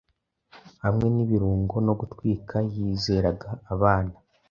Hamwe nibirango no gutwika yizeraga abana